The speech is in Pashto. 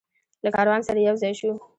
له کاروان سره یوځای شو.